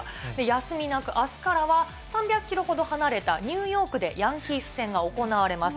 休みなくあすからは３００キロほど離れたニューヨークでヤンキース戦が行われます。